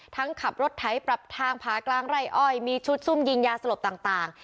ขับรถไถปรับทางผากลางไร่อ้อยมีชุดซุ่มยิงยาสลบต่าง